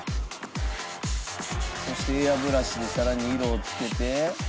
そしてエアブラシで更に色を付けて。